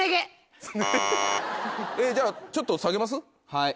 はい。